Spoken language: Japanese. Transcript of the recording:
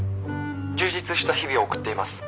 充実した日々を送っています。